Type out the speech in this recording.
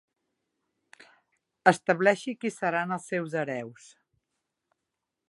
Estableixi qui seran els seus hereus.